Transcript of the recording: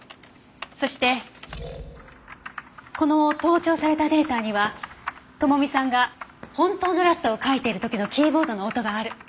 そしてこの盗聴されたデータには智美さんが本当のラストを書いている時のキーボードの音がある。